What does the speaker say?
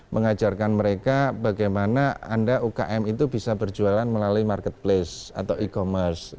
mengajarkan mereka bagaimana anda ukm itu bisa berjualan melalui marketplace atau e commerce